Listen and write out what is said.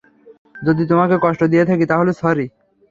যদি তোমাকে কষ্ট দিয়ে থাকি, তাহলে স্যরি।